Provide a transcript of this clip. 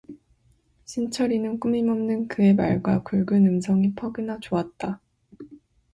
신철이는 꾸밈없는 그의 말과 굵은 음성이 퍽으나 좋았다.